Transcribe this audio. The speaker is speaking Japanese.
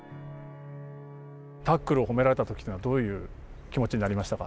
タックルを褒められた時というのはどういう気持ちになりましたか？